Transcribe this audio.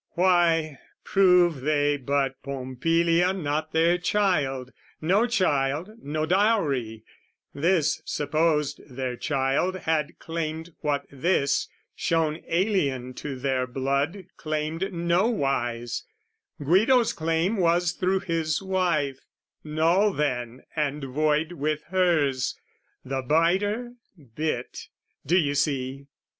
Why, prove they but Pompilia not their child, No child, no dowry; this, supposed their child, Had claimed what this, shown alien to their blood, Claimed nowise: Guido's claim was through his wife, Null then and void with hers. The biter bit, Do you see!